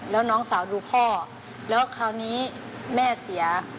แล้วน้องสาวดูพ่อแล้วคราวนี้แม่เสีย